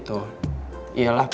puisi yang berupa